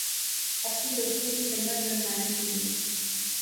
اپنے دوستوں کی ہمت بندھانے کے لئے